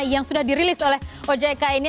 yang sudah dirilis oleh ojk ini